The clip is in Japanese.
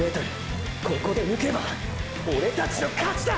ここで抜けばオレたちの勝ちだ！！